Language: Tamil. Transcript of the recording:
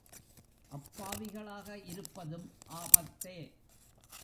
அப்பாவிகளாக இருப்பதும் ஆபத்தே.